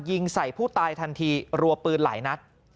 ยิงใส่ผู้ตายทันทีรัวปืนหลายนัด